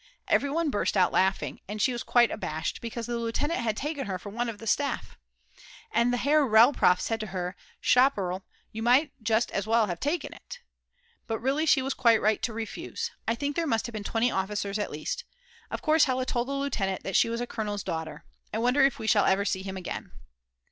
Everyone burst out laughing, and she was quite abashed because the lieutenant had taken her for one of the staff. And the Herr Rel. Prof. said to her: "Tschapperl, you might just as well have taken it." But really she was quite right to refuse. I think there must have been 20 officers at least. Of course Hella told the lieutenant that she was a colonel's daughter. I wonder if we shall ever see him again.